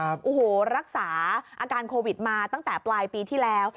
โอ้โหรักษาอาการโควิดมาตั้งแต่ปลายปีที่แล้ว